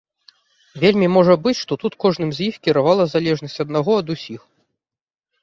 Вельмі можа быць, што тут кожным з іх кіравала залежнасць аднаго ад усіх.